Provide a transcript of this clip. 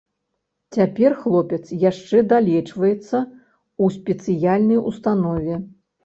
Цяпер хлопец яшчэ далечваецца ў спецыяльнай установе.